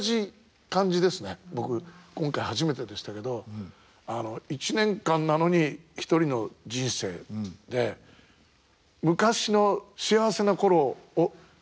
僕今回初めてでしたけど１年間なのに一人の人生で昔の幸せな頃を思い出しちゃうっていうか。